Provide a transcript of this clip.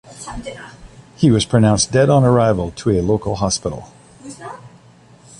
He was pronounced dead on arrival to a local hospital.